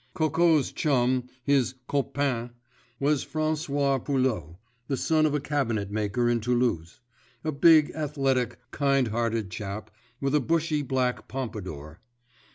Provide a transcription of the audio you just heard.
Coco's chum—his "copain"—was François Foulot, the son of a cabinetmaker in Toulouse, a big, athletic, kind hearted chap with a bushy black pompadour.